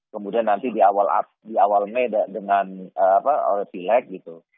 kemudian nanti di awal mei dengan apa oleh pileg gitu